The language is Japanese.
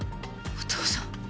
お父さん！